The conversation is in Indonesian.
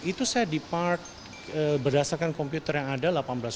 itu saya depart berdasarkan komputer yang ada seribu delapan ratus dua